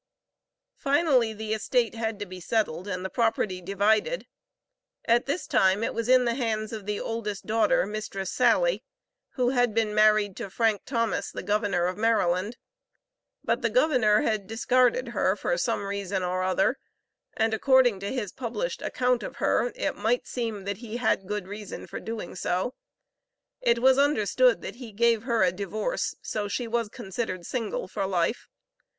Finally the estate had to be settled, and the property divided. At this time it was in the hands of the oldest daughter, Mistress Sally, who had been married to Frank Thomas, the Governor of Maryland. But the Governor had discarded her for some reason or other, and according to his published account of her it might seem that he had good reason for doing so. It was understood that he gave her a divorce, so she was considered single for life.